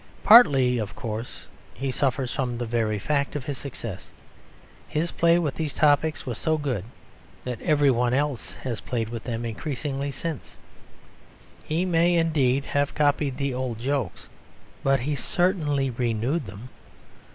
Partly, of course, he suffers from the very fact of his success; his play with these topics was so good that every one else has played with them increasingly since; he may indeed have copied the old jokes, but he certainly renewed them.